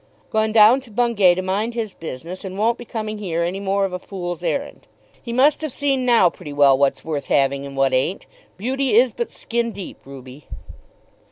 "Gone down to Bungay to mind his business, and won't be coming here any more of a fool's errand. He must have seen now pretty well what's worth having, and what ain't. Beauty is but skin deep, Ruby."